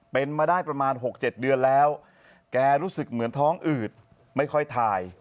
เป็นมาได้ประมาณ๖๗เดือนแล้วแกรู้สึกเหมือนท้องอืดไม่ค่อยถ่าย